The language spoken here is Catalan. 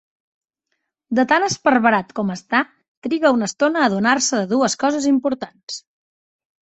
De tan esparverat com està, triga una estona a adonar-se de dues coses importants.